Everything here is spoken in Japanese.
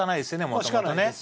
もともとね。